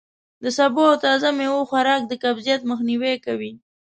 د سبو او تازه میوو خوراک د قبضیت مخنوی کوي.